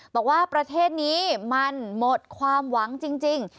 บอกว่าประเทศนี้มันหมดความหวังจริง